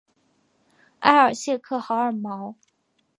埃尔谢克豪尔毛。